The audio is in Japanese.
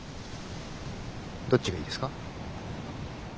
どっちがいいですか？